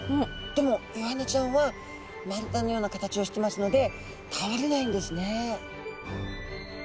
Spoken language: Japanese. でもイワナちゃんは丸太のような形をしてますので倒れないんですね。